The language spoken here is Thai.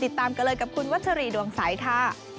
ติดตามกันเลยกับคุณวัชรีดวงใสค่ะ